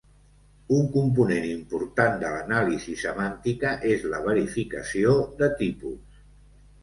Un component important de l'anàlisi semàntica és la verificació de tipus.